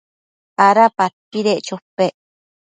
¿ada padpedec chopec?